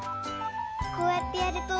こうやってやると。